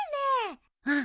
うん。